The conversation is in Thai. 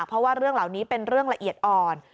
เพราะว่าเรื่องเหล่านี้เป็นเรื่องละเอียดอ่อน